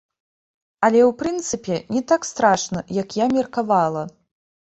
Але, у прынцыпе, не так страшна, як я меркавала.